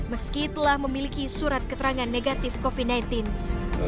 meski telah memiliki surat keterangan negatif covid sembilan belas